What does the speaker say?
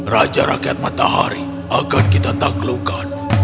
raja rakyat matahari akan kita taklukkan